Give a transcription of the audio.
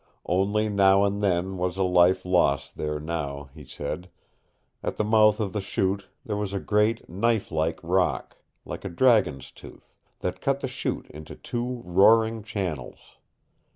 Only now and then was a life lost there now, he said. At the mouth of the Chute there was a great, knife like rock, like a dragon's tooth, that cut the Chute into two roaring channels.